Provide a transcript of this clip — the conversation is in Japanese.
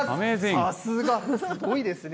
さすが、すごいですね。